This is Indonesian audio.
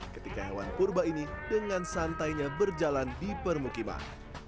ketika hewan purba ini dengan santainya berjalan di permukiman